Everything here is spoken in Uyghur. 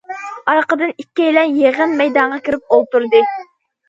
ئارقىدىن ئىككىيلەن يىغىن مەيدانىغا كىرىپ ئولتۇردى.